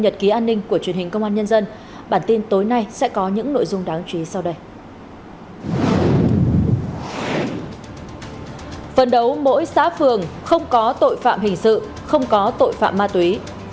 phần đấu mỗi xã phường không có tội phạm hình sự không có tội phạm ma túy